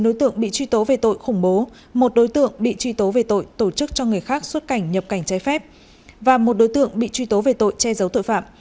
một mươi đối tượng bị truy tố về tội khủng bố một đối tượng bị truy tố về tội tổ chức cho người khác xuất cảnh nhập cảnh trái phép và một đối tượng bị truy tố về tội che giấu tội phạm